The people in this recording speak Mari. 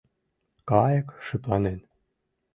Кайык шыпланен.